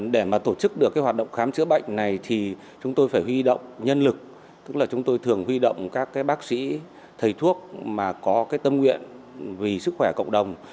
để mà tổ chức được cái hoạt động khám chữa bệnh này thì chúng tôi phải huy động nhân lực tức là chúng tôi thường huy động các bác sĩ thầy thuốc mà có cái tâm nguyện vì sức khỏe cộng đồng